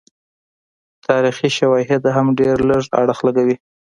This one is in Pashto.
تاریخي شواهد هم ډېر لږ اړخ لګوي.